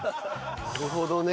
なるほどね。